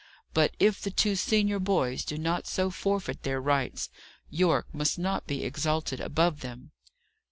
But if the two senior boys do not so forfeit their rights, Yorke must not be exalted above them."